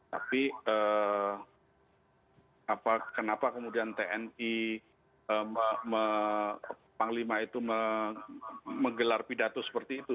tapi kenapa kemudian tni panglima itu menggelar pidato seperti itu